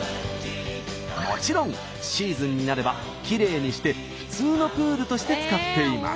もちろんシーズンになればきれいにして普通のプールとして使っています。